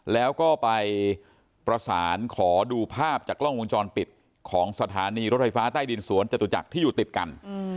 แล้วก็ไปประสานขอดูภาพจากกล้องวงจรปิดของสถานีรถไฟฟ้าใต้ดินสวนจตุจักรที่อยู่ติดกัน